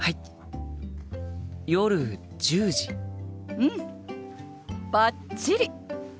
うんバッチリ！